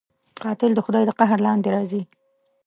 قاتل د خدای د قهر لاندې راځي